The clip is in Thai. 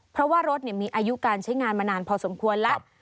เพราะว่ารถมีอายุการใช้งานมานานพอสมควรแล้ว